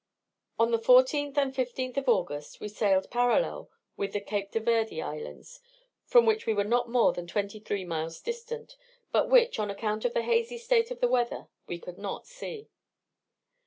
All the 14th and 15th of August we sailed parallel with the Cape de Verde Islands, from which we were not more than 23 miles distant, but which, on account of the hazy state of the weather, we could not see.